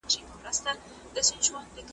محکمه وه پاچهي د لوی قاضي وه ,